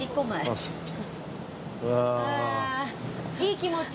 いい気持ち？